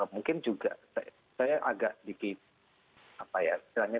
mungkin juga saya agak sedikit